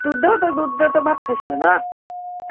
বুঝতে পারলাম যে তিনঘণ্টা যাবৎ এদিক সেদিক হাঁটাহাঁটি করেছি।